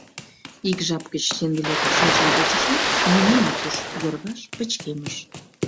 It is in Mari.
Ик жап гыч Ендылетов шинчам почешат, нимом ок уж: йырваш пычкемыш.